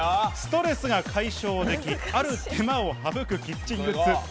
ストレスが解消でき、ある手間を省くキッチングッズ。